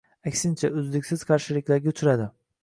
Aksincha, uzluksiz qarshiliklarga uchradi